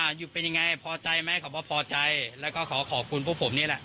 หยุดเป็นยังไงพอใจไหมเขาก็พอใจแล้วก็ขอขอบคุณพวกผมนี่แหละ